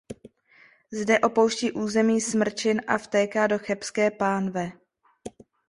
Zde opouští území Smrčin a vtéká do Chebské pánve.